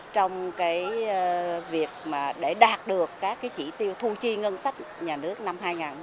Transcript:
trong việc đạt được các chỉ tiêu thu chi ngân sách nhà nước năm hai nghìn một mươi tám